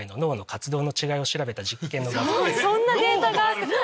そんなデータがあるんだ！